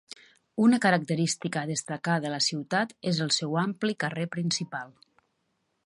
Una característica a destacar de la ciutat és el seu ampli carrer principal.